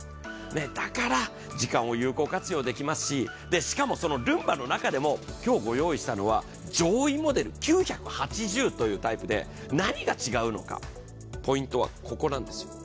だから時間を有効活用できますし、しかもルンバの中でも今日ご用意したのは上位モデル９８０というモデルで何が違うのか、ポイントはここなんですよ。